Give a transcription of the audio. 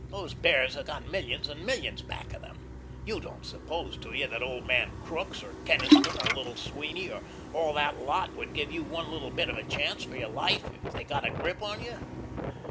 Those Bears have got millions and millions back of them. You don't suppose, do you, that old man Crookes, or Kenniston, or little Sweeny, or all that lot would give you one little bit of a chance for your life if they got a grip on you.